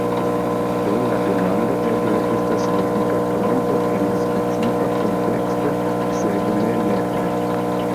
Do la demando eble estas logika trompo en specifa kunteksto, sed ne nepre.